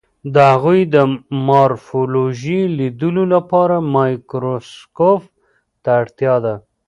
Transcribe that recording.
د هغوی د مارفولوژي لیدلو لپاره مایکروسکوپ ته اړتیا ده.